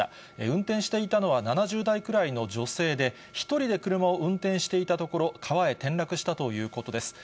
運転していたのは７０代くらいの女性で、１人で車を運転していたところ、川へ転落したということです。